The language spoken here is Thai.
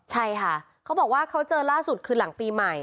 ใช่ค่ะเขาบอกว่าเขาเจอล่าสุดคือหลังปีใหม่